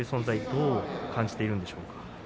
どう感じているんでしょうか？